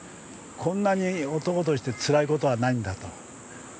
こんなに男としてつらいことはないんだと。